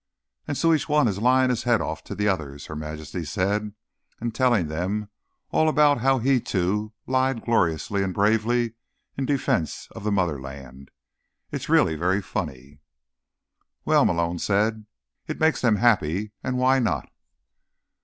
"And so each one is lying his head off to the others," Her Majesty said, "and telling them all about how he, too, lied gloriously and bravely in defense of the Motherland. It's really very funny." "Well," Malone said, "it makes them happy. And why not?"